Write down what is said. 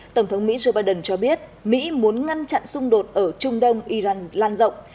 tổng thống mỹ joe biden cho biết mỹ muốn ngăn chặn xung đột ở trung đông iran lan rộng